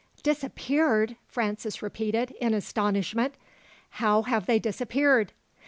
"Disappeared!" Francis repeated in astonishment "How have they disappeared?"